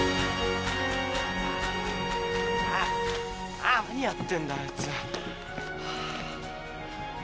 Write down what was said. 何やってんだあいつ。